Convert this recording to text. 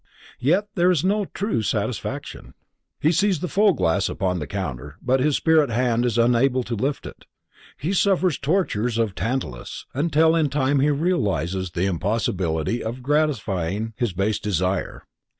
Yet there is no true satisfaction. He sees the full glass upon the counter but his spirit hand is unable to lift it. He suffers tortures of Tantalus until in time he realizes the impossibility of gratifying his base desire.